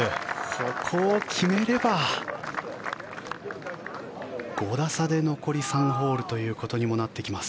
ここを決めれば５打差で残り３ホールとなってきます。